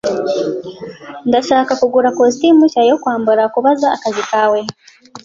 Ndashaka ko ugura ikositimu nshya yo kwambara kubaza akazi kawe.